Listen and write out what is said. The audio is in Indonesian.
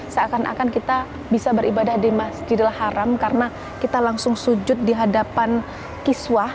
seakan akan kita bisa beribadah di masjid al haram karena kita langsung sujud di hadapan kiswah